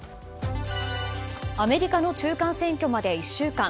アメリカの中間選挙まで１週間。